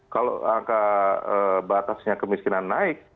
kalau angka batasnya kemiskinan naik